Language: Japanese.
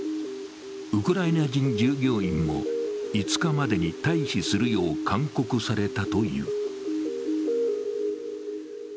ウクライナ人従業員も５日までに退避するよう勧告されたという。